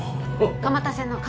蒲田線の上